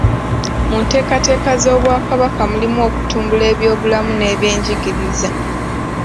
Mu nteekateeka z’Obwakabaka mulimu okutumbula ebyobulamu n’ebyenjigiriza.